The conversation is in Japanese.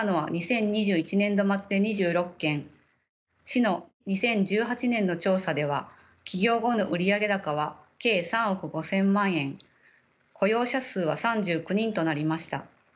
市の２０１８年の調査では起業後の売上高は計３億５，０００万円雇用者数は３９人となりました。